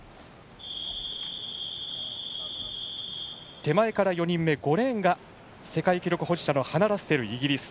手前から４人目、５レーンが世界記録保持者のハナ・ラッセル、イギリス。